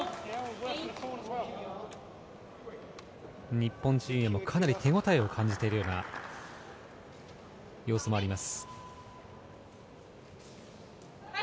日本陣営もかなり手応えを感じているような様子もあります。